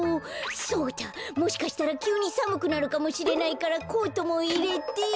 そうだもしかしたらきゅうにさむくなるかもしれないからコートもいれて。